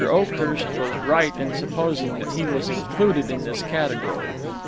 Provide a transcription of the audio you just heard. Oakhurst was right in supposing that he was included in this category.